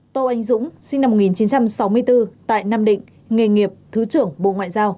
tô anh dũng sinh năm một nghìn chín trăm sáu mươi bốn tại nam định nghề nghiệp thứ trưởng bộ ngoại giao